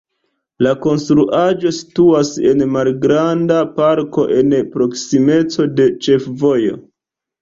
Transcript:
La konstruaĵo situas en malgranda parko en proksimeco de ĉefvojo.